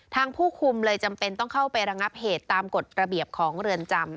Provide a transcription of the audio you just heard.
ผู้คุมเลยจำเป็นต้องเข้าไประงับเหตุตามกฎระเบียบของเรือนจำ